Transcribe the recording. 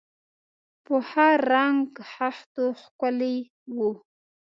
په ښه رنګ خښتو ښکلي و.